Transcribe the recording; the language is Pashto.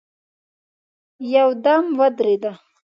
يودم ودرېده.